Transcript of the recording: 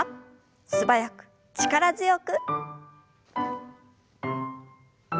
素早く力強く。